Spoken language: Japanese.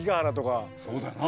そうだな。